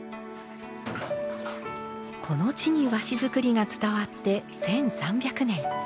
この地に和紙作りが伝わって１，３００年。